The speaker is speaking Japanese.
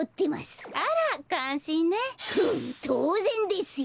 フッとうぜんですよ！